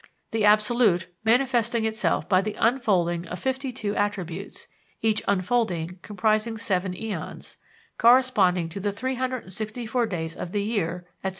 the absolute manifesting itself by the unfolding of fifty two attributes, each unfolding comprising seven eons, corresponding to the 364 days of the year, etc.